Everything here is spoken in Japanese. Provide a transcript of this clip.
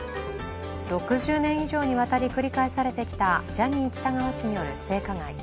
６０年以上にわたり繰り返されてきたジャニー喜多川氏による性加害。